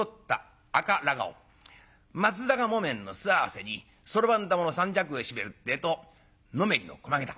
松阪木綿の素袷にそろばん玉の三尺帯締めるってえとのめりの駒げた。